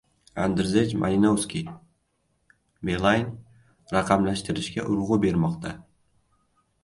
Andrzej Malinowski: «Beeline raqamlashtirishga urg‘u bermoqda»